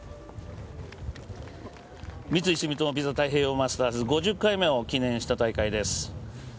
三井住友ＶＩＳＡ太平洋マスターズ５０回目を記念した大会です。